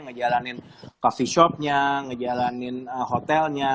menjalankan coffee shop nya menjalankan hotelnya